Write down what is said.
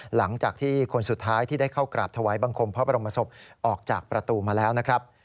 หลังจากที่คนสุดท้ายที่ได้เข้ากราบถวายบังคมพระบรมศพออกจากประตูมาแล้วนะครับ